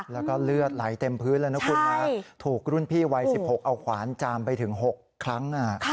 แล้วก็เลือดไหลเต็มพื้นเลยนะคุณนะถูกรุ่นพี่วัย๑๖เอาขวานจามไปถึง๖ครั้ง